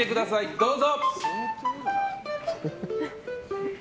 どうぞ。